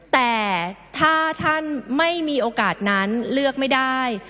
แต่ถ้าท่านไม่มีโอกาสนั้นเลือกไม่ได้